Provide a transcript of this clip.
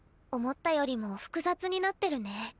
思ったよりも複雑になってるね。